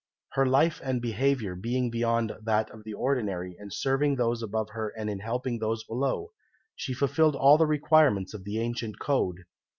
"Her life and behaviour being beyond that of the ordinary, in serving those above her and in helping those below, she fulfilled all the requirements of the ancient code.